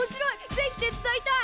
ぜひ手伝いたい！